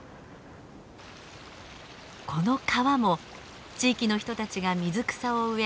この川も地域の人たちが水草を植え